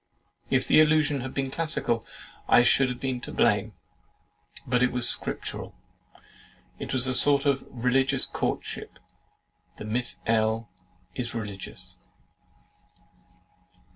If the allusion had been classical I should have been to blame; but it was scriptural, it was a sort of religious courtship, and Miss L. is religious!